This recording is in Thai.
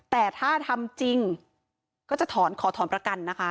แต่ถ้าทำจริงก็จะถอนขอถอนประกันนะคะ